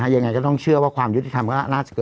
ยังไงก็ต้องเชื่อว่าความยุติธรรมก็น่าจะเกิด